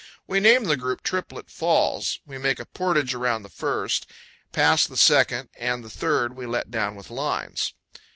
We name the group Triplet Falls. We make a portage around the first; past the second and the third we let down with lines.